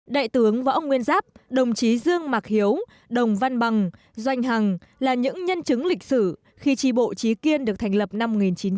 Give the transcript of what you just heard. đại tướng và ông nguyên giáp đồng chí dương mạc hiếu đồng văn bằng doanh hằng là những nhân chứng lịch sử khi tri bộ trí kiên được thành lập năm một nghìn chín trăm bốn mươi ba